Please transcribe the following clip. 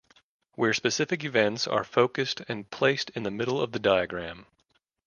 Where specific events are focused and placed in the middle of the diagram.